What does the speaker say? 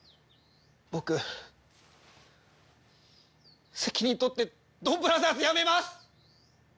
僕責任取ってドンブラザーズやめます！